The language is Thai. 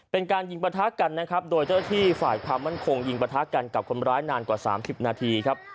เป็นการยิงประทะกันนะครับโดยเจ้าที่ฝ่ายความมั่นคงยิงประทะกันกับคนร้ายนานกว่า๓๐นาทีครับ